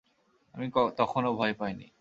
আমি তখনো ভয় পাই নি।